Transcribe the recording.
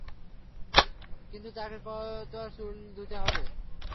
কিন্তু তাকে তো তার চুল ধুতে হবে।